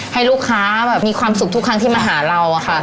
ให้ลูกค้าแบบมีความสุขทุกครั้งที่มาหาเราอะค่ะ